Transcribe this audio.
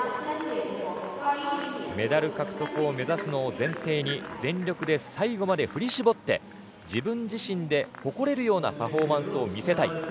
メダル獲得を目指すのを前提に全力で最後まで振り絞って自分自身で誇れるようなパフォーマンスを見せたい。